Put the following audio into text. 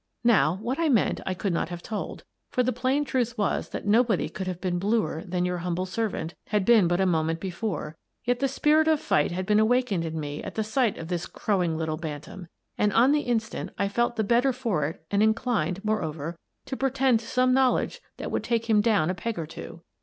Now, what I meant I could not have told, for the plain truth was that nobody could have been bluer than your humble servant had been but a moment before, yet the spirit of fight had been awakened in me at the sight of this crowing little bantam, and, on the instant, I felt the better for it and inclined, moreover, to pretend to some knowl edge that would take him down a peg or two.